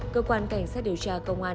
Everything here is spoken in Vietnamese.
cơ quan cảnh sát điều tra công an